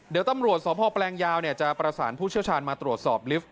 เดี๋ยวตำรวจสพแปลงยาวจะประสานผู้เชี่ยวชาญมาตรวจสอบลิฟต์